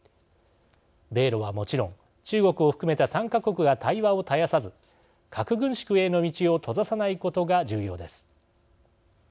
米ロはもちろん、中国を含めた３か国が対話を絶やさず核軍縮への道を閉ざさないことが重要です。